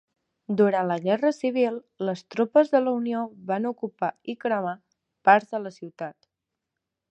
Durant la Guerra Civil, les tropes de la Unió van ocupar i cremar parts de la ciutat.